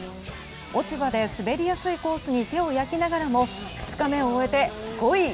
落ち葉で滑りやすいコースに手を焼きながらも２日目を終えて、５位。